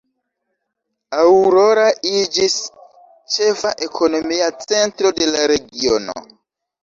Aurora iĝis ĉefa ekonomia centro de la regiono.